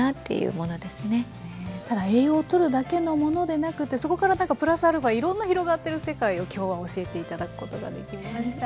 ただ栄養をとるだけのものでなくてそこからプラスアルファいろんな広がってる世界を今日は教えて頂くことができました。